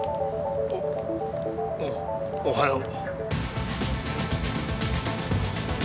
おおはよう。